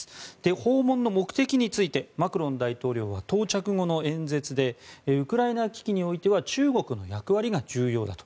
訪問の目的についてマクロン大統領は到着後の演説でウクライナ危機においては中国の役割が重要だと。